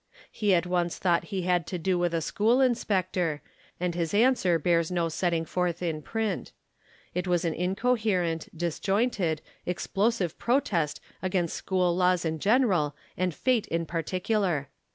'* He at once thought he had to do with a school inspector, and his answer bears no setting forth in print. It was an incoherent, disjointed, explosive protest against school laws in general and fate in particular.